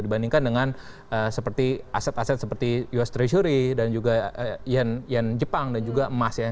dibandingkan dengan seperti aset aset seperti us treasury dan juga yen jepang dan juga emas ya